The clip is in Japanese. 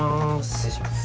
失礼します。